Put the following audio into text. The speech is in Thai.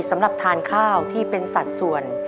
สำหรับทานข้าวที่เป็นสัดส่วน